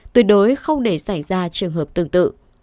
tuyệt đối không để xảy ra trường hợp tương tự